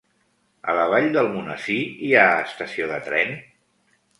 A la Vall d'Almonesir hi ha estació de tren?